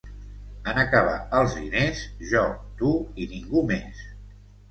En acabar els diners, jo, tu, i ningú més.